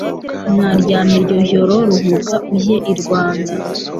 Sinaryama iryo joro Ruhuka ujye i Rwanda